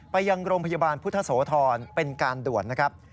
ไปยังโรงพยาบาลพุทธโสธรเป็นการด่วนนะครับ